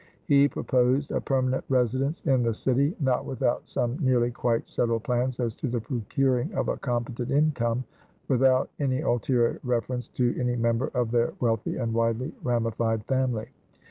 He proposed a permanent residence in the city; not without some nearly quite settled plans as to the procuring of a competent income, without any ulterior reference to any member of their wealthy and widely ramified family.